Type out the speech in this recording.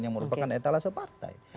yang merupakan etalase partai